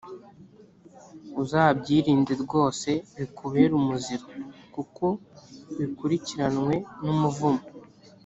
uzabyirinde rwose, bikubere umuziro, kuko bikurikiranwe n’umuvumo.